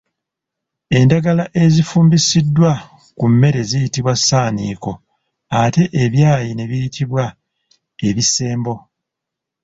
Endagala ezifumbisiddwa ku mmere ziyitibwa ssaaniiko, ate ebyayi ne biyitibwa Ebisembo.